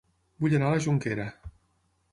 Vull anar a La Jonquera